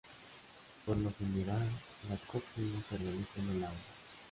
Por lo general la cópula se realiza en el agua.